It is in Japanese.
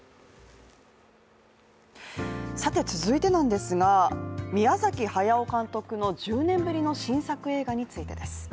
続いてなんですが、宮崎駿監督の１０年ぶりの新作映画についてです。